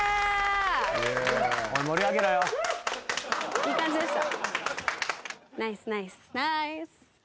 いい感じでした。